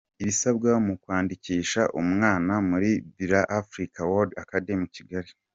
Ibisabwa mukwandikisha umwana muri Birla Africa World Academy-Kigali.